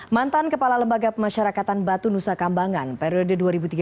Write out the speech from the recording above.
mantan kepala lembaga pemasyarakatan batu nusa kambangan periode dua ribu tiga dua ribu